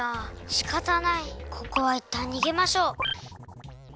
しかたないここはいったんにげましょう。